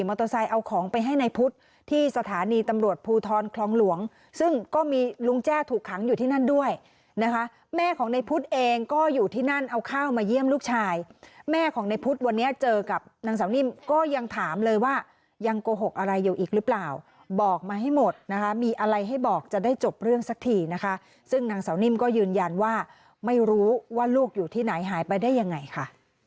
แม่ของในพุทธวันนี้เจอกับนางหนึ่งก็ยังถามเลยว่ายังโกหกอะไรอยู่อีกหรือเปล่าบอกว่ามายหมดมีอะไรให้บอกจะได้จบเรื่องสักทีนะคะซึ่งนางหนึ่งก็ยืนยันว่าไม่รู้ว่าลูกอยู่ที่ไหนหายไปได้ยังไงค่ะ